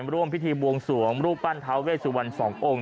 ร่วมพิธีบวงสวงรูปปั้นท้าเวสุวรรณ๒องค์